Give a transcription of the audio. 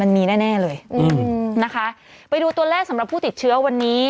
มีแน่แน่เลยอืมนะคะไปดูตัวเลขสำหรับผู้ติดเชื้อวันนี้